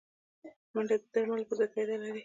منډه د درملو پر ځای فایده لري